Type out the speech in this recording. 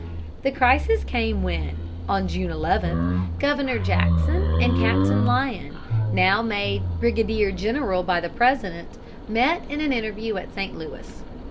The crisis came when, on June 11, Governor Jackson and Captain Lyon, now made brigadier general by the President, met in an interview at St. Louis.